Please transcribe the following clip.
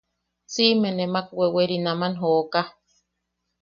Siʼime nemak weweri naman jooka.